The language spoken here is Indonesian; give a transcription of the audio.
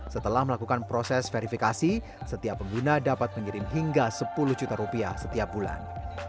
setelah melakukan proses verifikasi setiap pengguna dapat mengirim hingga sepuluh juta rupiah setiap bulan